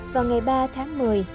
vào ngày ba tháng một mươi